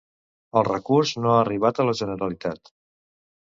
El recurs no ha arribat a la Generalitat.